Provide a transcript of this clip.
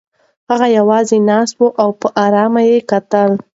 هغه یوازې ناسته وه او په ارامۍ یې کتل.